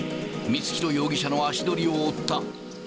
光弘容疑者の足取りを追った。